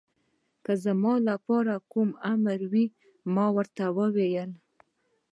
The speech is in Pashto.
زما لپاره که کوم امر وي، ما ورته وویل.